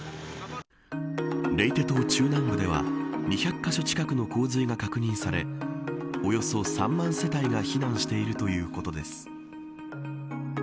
レイテ島中南部では２００カ所近くの洪水が確認されおよそ３万世帯が避難しているということです。